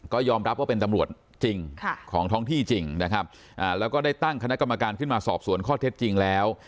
ก็ยอมรับว่าเป็นตำรวจจริงของท้องที่จริงนะครับแล้วก็ได้ตั้งคณะกรรมการขึ้นมาสอบสวนข้อเท็จจริงแล้ว